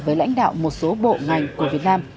với lãnh đạo một số bộ ngành của việt nam